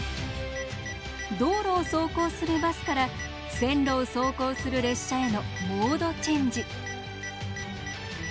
道路を走行するバスから線路を走行する列車へのモードチェンジ。